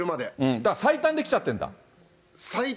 だから最短で来ちゃってるんだ。